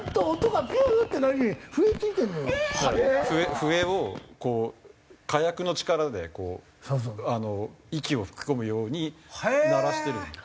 笛をこう火薬の力でこう息を吹き込むように鳴らしてるんです。